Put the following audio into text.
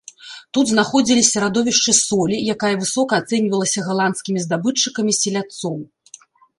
Тут знаходзіліся радовішчы солі, якая высока ацэньвалася галандскімі здабытчыкамі селядцоў.